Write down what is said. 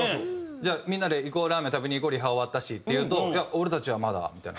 「みんなでラーメン食べに行こうリハ終わったし」って言うと「いや俺たちはまだ」みたいな。